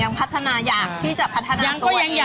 อย่างปัฒนาอยากที่จะปัฒนาตัวเอง